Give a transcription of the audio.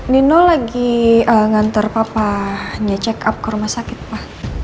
nino lagi ngantar papa hanya check up ke rumah sakit pak